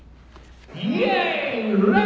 イェーイ！